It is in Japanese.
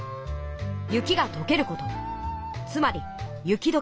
雪がとけることつまり雪どけは春の季語だ。